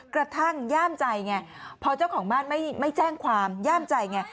ย่ามใจไงพอเจ้าของบ้านไม่แจ้งความย่ามใจไง